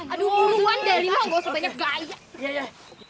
aduh puluhan deli mau bawa sebanyak gaya